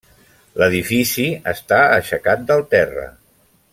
L'edifici està aixecat del terra.